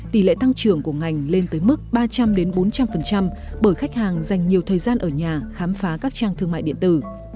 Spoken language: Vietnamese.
tỷ lệ tăng trưởng của ngành lên tới mức ba trăm linh bốn trăm linh bởi khách hàng dành nhiều thời gian ở nhà khám phá các trang thương mại điện tử